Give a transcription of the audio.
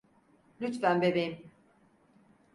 Lütfen bebeğim.